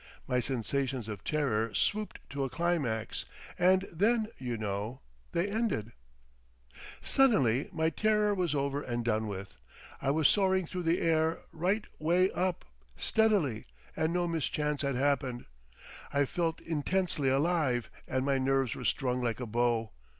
My sensations of terror swooped to a climax. And then, you know, they ended! Suddenly my terror was over and done with. I was soaring through the air right way up, steadily, and no mischance had happened. I felt intensely alive and my nerves were strung like a bow.